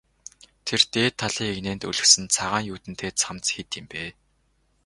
Тэр дээд талын эгнээнд өлгөсөн цагаан юүдэнтэй цамц хэд юм бэ?